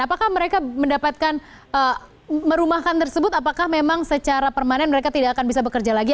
apakah mereka mendapatkan merumahkan tersebut apakah memang secara permanen mereka tidak akan bisa bekerja lagi